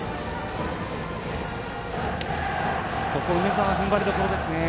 ここ梅澤、ふんばりどころですね。